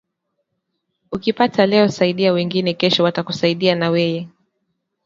Ukipata leo saidia wengine kesho watakusaidia na weye